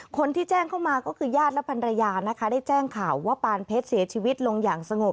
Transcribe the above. คนที่แจ้งเข้ามาก็คือญาติและภรรยานะคะได้แจ้งข่าวว่าปานเพชรเสียชีวิตลงอย่างสงบ